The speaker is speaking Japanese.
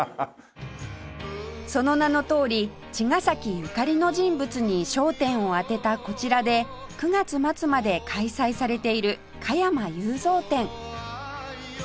その名のとおり茅ヶ崎ゆかりの人物に焦点を当てたこちらで９月末まで開催されている「加山雄三展」